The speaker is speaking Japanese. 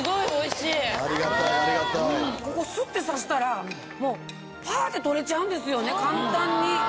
ここスって刺したらパって取れちゃうんですよね簡単に。